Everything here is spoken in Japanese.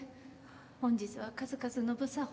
本日は数々の不作法